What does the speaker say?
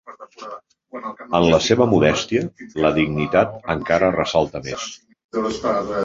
En la seva modèstia, la dignitat encara ressalta més.